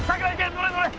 乗れ乗れ。